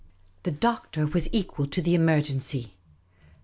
The Doctor was equal to the emergency.